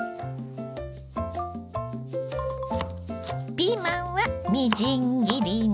ピーマンはみじん切りに。